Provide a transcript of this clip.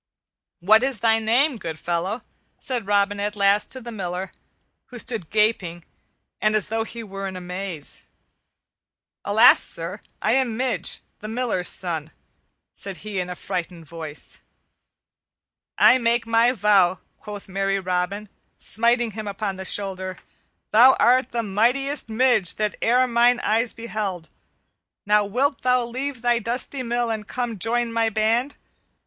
"What is thy name, good fellow?" said Robin at last to the Miller, who stood gaping and as though he were in amaze. "Alas, sir, I am Midge, the Miller's son," said he in a frightened voice. "I make my vow," quoth merry Robin, smiting him upon the shoulder, "thou art the mightiest Midge that e'er mine eyes beheld. Now wilt thou leave thy dusty mill and come and join my band?